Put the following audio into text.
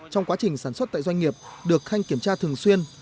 trong quá trình sản xuất tại doanh nghiệp được khanh kiểm tra thường xuyên